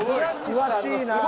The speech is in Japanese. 詳しいな。